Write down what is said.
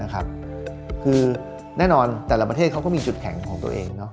แปลว่าแต่ละประเทศมีจุดแขนกของตัวเอง